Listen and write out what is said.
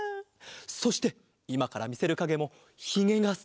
そしていまからみせるかげもひげがすてきだぞ！